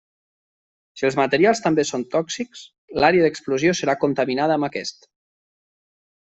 Si els materials també són tòxics, l'àrea d'explosió serà contaminada amb aquest.